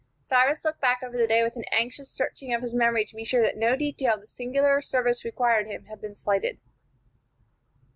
Cyrus looked back over the day with an anxious searching of his memory to be sure that no detail of the singular service required of him had been slighted.